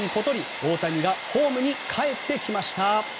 大谷がホームにかえってきました。